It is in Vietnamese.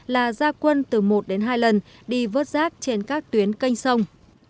là gia quân từ một đến hai lần đi vớt rác trên các tuyến canh sông